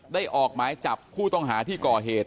ออกหมายจับผู้ต้องหาที่ก่อเหตุ